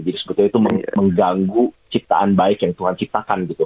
jadi sebetulnya itu mengganggu ciptaan baik yang tuhan ciptakan gitu